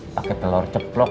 pakai telur ceplok